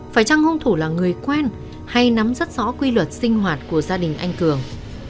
phải chăng hung thủ là người quen hay nắm rất rõ quy luật sinh hoạt của gia đình anh cường